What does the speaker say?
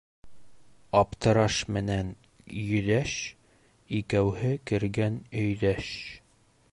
Аптыраш менән йөҙәш икәүһе кергән өйҙәш.